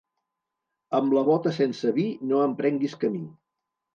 Amb la bota sense vi no emprenguis camí.